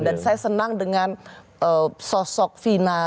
dan saya senang dengan sosok fina